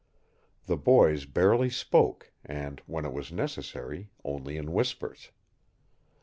The boys barely spoke and, when it was necessary, only in whispers.